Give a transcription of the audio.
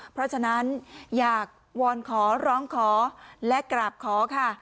เพราะฉะนั้นอยากวอนขอร้องขอและกราบขอค่ะ